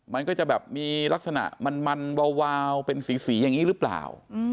มันก็จะแบบมีลักษณะมันวาวเป็นสีอย่างนี้หรือเปล่า